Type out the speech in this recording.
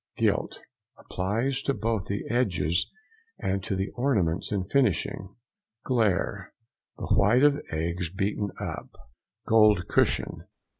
GILT.—Applies to both the edges and to the ornaments in finishing. GLAIRE.—The white of eggs beaten up. GOLD CUSHION.